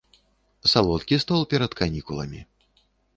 Салодкі стол перад канікуламі.